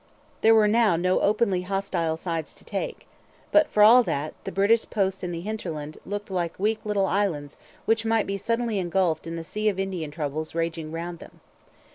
There were now no openly hostile sides to take. But, for all that, the British posts in the hinterland looked like weak little islands which might be suddenly engulfed in the sea of Indian troubles raging round them.